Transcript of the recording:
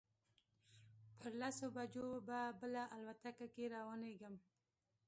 پر لسو بجو به بله الوتکه کې روانېږم.